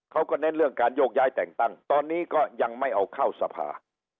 เน้นเรื่องการโยกย้ายแต่งตั้งตอนนี้ก็ยังไม่เอาเข้าสภา